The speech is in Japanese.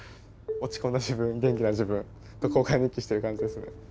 落ち込んだ自分元気な自分と交換日記してる感じですね。